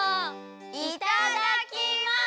いただきます！